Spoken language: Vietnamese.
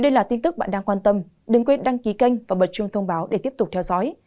các bạn hãy đăng ký kênh và bật chuông thông báo để tiếp tục theo dõi